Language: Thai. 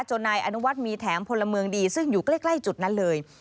นายอนุวัฒน์มีแถมพลเมืองดีซึ่งอยู่ใกล้จุดนั้นเลย